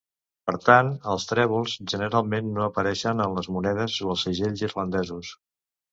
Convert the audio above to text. Per tant, els trèvols generalment no apareixen en les monedes o els segells irlandesos.